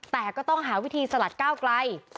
แต่ก็ต้องหาวิธีสลัดก้าวไกล